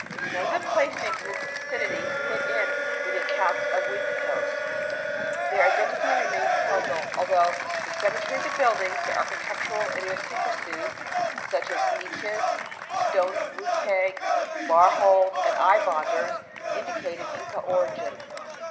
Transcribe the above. None of the place names in this vicinity fit in with the accounts of Uiticos. Their identity remains a puzzle, although the symmetry of the buildings, their architectural idiosyncrasies such as niches, stone roof pegs, bar holds, and eye bonders, indicate an Inca origin.